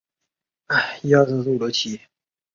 参见右侧站牌路线图。